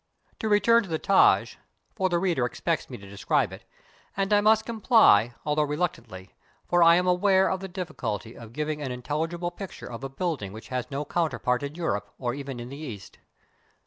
To return to the Taj — for the reader expects me to describe it, and I must comply, although reluctantly, iig INDIA for I am aware of the difficulty of giving an intelligible picture of a building, which has no coxinterpart in Europe, or even in the East.